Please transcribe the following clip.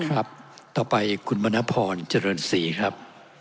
ครับต่อไปคุณมณพรเจริญศรีครับ